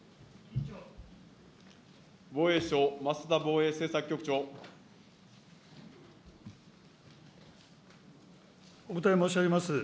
防衛省、お答え申し上げます。